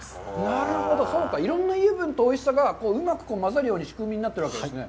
なるほど、そうか、いろんな油分とおいしさがうまくまざるような仕組みになってるんですね。